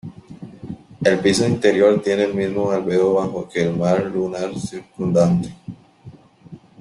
El piso interior tiene el mismo albedo bajo que el mar lunar circundante.